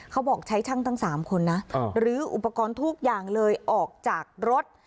เขาบอกใช้ช่างทั้ง๓คนนะลื้ออุปกรณ์ทุกอย่างเลยออกจากรถ